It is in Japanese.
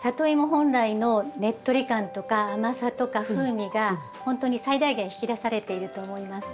本来のねっとり感とか甘さとか風味がほんとに最大限引き出されていると思います。